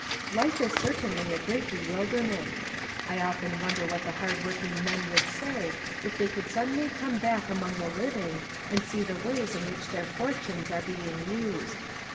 Life is certainly a great bewilderment. I often wonder what the hard working men would say if they could suddenly come back among the living and see the ways in which their fortunes are being used.